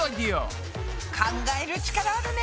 考える力あるね。